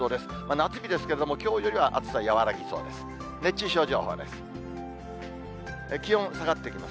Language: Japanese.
夏日ですけれども、きょうよりは暑さ和らぎそうです。